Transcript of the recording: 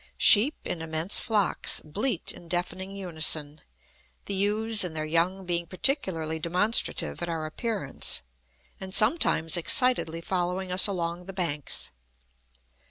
Sheep, in immense flocks, bleat in deafening unison, the ewes and their young being particularly demonstrative at our appearance, and sometimes excitedly following us along the banks.